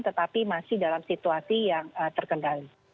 tetapi masih dalam situasi yang terkendali